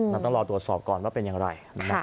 ต้องรอตรวจสอบก่อนว่าเป็นอย่างไร